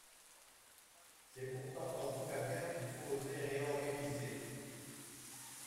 C’est pourtant quand tout va bien qu’il faut oser réorganiser.